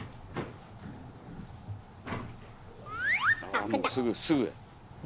あもうすぐすぐや。